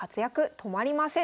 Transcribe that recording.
止まりません。